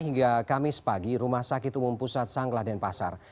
hingga kamis pagi rumah sakit umum pusat sanglah dan pasar